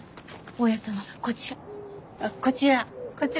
大家さんはこちら。